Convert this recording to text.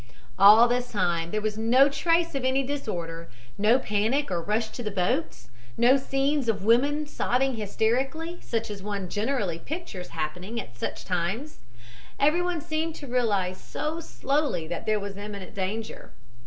"All this time there was no trace of any disorder; no panic or rush to the boats and no scenes of women sobbing hysterically, such as one generally pictures as happening at such times everyone seemed to realize so slowly that there was imminent danger.